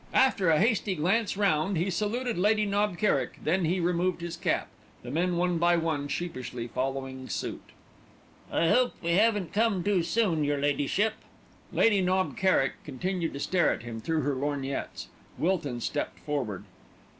After a hasty glance round he saluted Lady Knob Kerrick, then he removed his cap, the men one by one sheepishly following suit. "I hope we haven't come too soon, your ladyship?" Lady Knob Kerrick continued to stare at him through her lorgnettes. Wilton stepped forward.